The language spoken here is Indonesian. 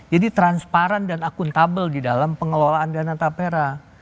jadi transparan dan akuntabel di dalam pengelolaan dana tafera